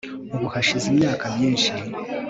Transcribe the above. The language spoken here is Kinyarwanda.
ubu hashize imyaka myinshi